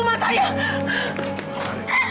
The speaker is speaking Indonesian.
aku udah ingat semuanya